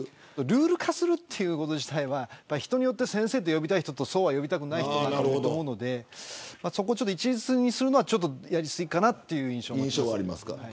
ルール化すること自体は人によって先生と呼びたい人と呼びたくない人といると思うので一律にするのはちょっとやり過ぎかなという印象です。